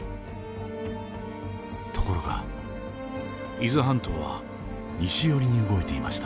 ところが伊豆半島は西寄りに動いていました。